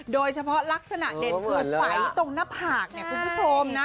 โดยเฉพาะลักษณะเด่นคือไฝตรงหน้าผากเนี่ยคุณผู้ชมนะ